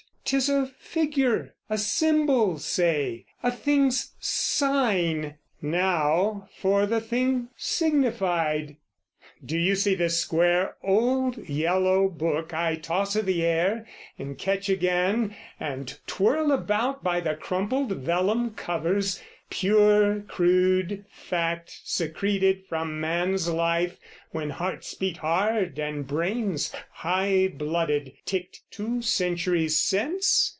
'Tis a figure, a symbol, say; A thing's sign: now for the thing signified. Do you see this square old yellow Book, I toss I' the air, and catch again, and twirl about By the crumpled vellum covers, pure crude fact Secreted from man's life when hearts beat hard, And brains, high blooded, ticked two centuries since?